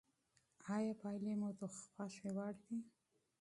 آیا پایلې مو د خوښې وړ دي؟